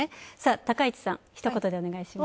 高市さん、ひと言でお願いします。